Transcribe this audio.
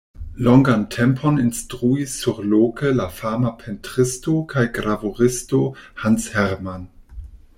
Longan tempon instruis surloke la fama pentristo kaj gravuristo Hans Hermann.